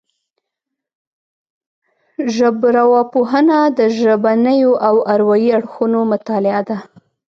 ژبارواپوهنه د ژبنيو او اروايي اړخونو مطالعه ده